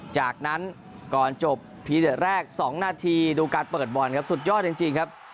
จากนั้นก่อนจบพีเด็ดแรก๒นาทีดูการเปิดบอลครับสุดยอดจริงครับ